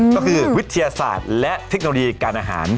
ก็คือวิทยาศาสตร์และเทคโนโลยีการอาหาร